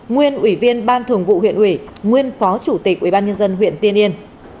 nguyên ủy viên ban thường vụ huyện ủy nguyên phó chủ tịch ủy ban nhân dân huyện tiên yên